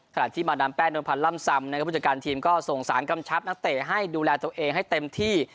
ขณะที่มาดามแป้นนวลพันธ์ล่ำซำนะครับผู้จัดการทีมก็ส่งสารกำชับนักเตะให้ดูแลตัวเองให้เต็มที่